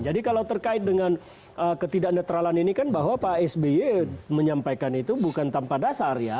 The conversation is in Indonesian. jadi kalau terkait dengan ketidak netralan ini kan bahwa pak sby menyampaikan itu bukan tanpa dasar ya